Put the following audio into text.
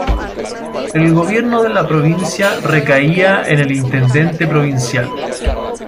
El gobierno de la provincia recaía en el intendente provincial.